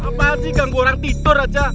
apa sih ganggu orang tidur aja